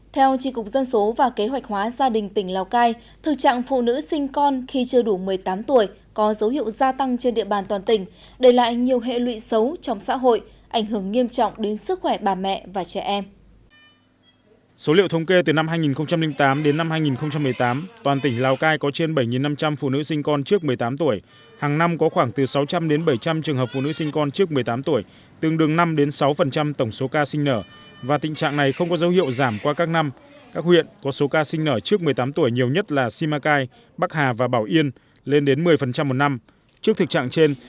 theo chỉ cục dân số và kế hoạch hóa gia đình tỉnh lào cai thực trạng phụ nữ sinh con khi chưa đủ một mươi tám tuổi có dấu hiệu gia tăng trên địa bàn toàn tỉnh đẩy lại nhiều hệ lụy xấu trong xã hội ảnh hưởng nghiêm trọng đến sức khỏe bà mẹ và trẻ em